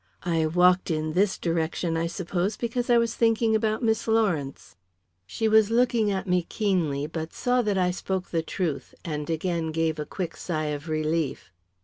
I walked in this direction, I suppose, because I was thinking about Miss Lawrence." She was looking at me keenly, but saw that I spoke the truth and again gave a quick sigh of relief.